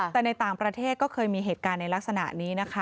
แต่ในต่างประเทศก็เคยมีเหตุการณ์ในลักษณะนี้นะคะ